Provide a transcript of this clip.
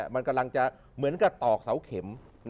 มันกำลังจะเหมือนกับตอกเสาเข็ม